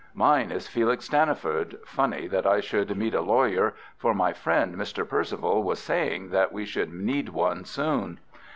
"Mine is Felix Stanniford. Funny that I should meet a lawyer, for my friend, Mr. Perceval, was saying that we should need one soon."